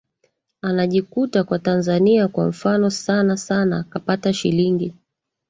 anajikuta kwa tanzania kwa mfano sana sana kapata shilingi